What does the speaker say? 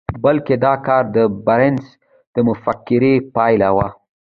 بلکې دا کار د بارنس د مفکورې پايله وه.